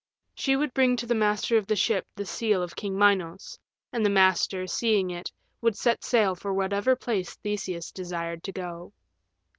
She would bring to the master of the ship the seal of King Minos, and the master, seeing it, would set sail for whatever place Theseus desired to go.